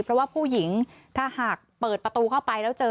เพราะว่าผู้หญิงถ้าหากเปิดประตูเข้าไปแล้วเจอ